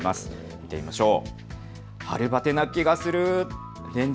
見てみましょう。